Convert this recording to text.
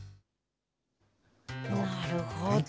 なるほど。